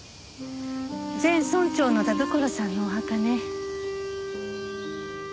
前村長の田所さんのお墓ね。